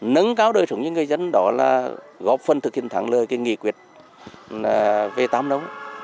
nâng cao đời sống cho người dân đó là góp phần thực hiện thắng lời cái nghị quyết v tám nấu